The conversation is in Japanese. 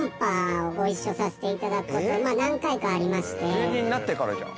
芸人になってからじゃん。